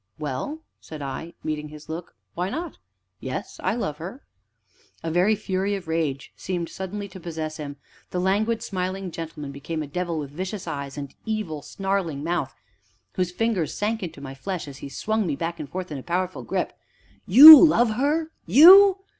"Well?" said I, meeting his look, "why not? Yes, I love her." A very fury of rage seemed suddenly to possess him, the languid, smiling gentleman became a devil with vicious eyes and evil, snarling mouth, whose fingers sank into my flesh as he swung me back and forth in a powerful grip. "You love her? you?